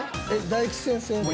大吉先生も。